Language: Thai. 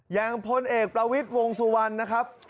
พลเอกประวิทย์วงสุวรรณนะครับ